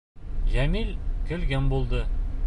Йәмил көлгән булды.